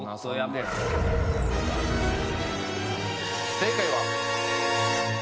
正解は。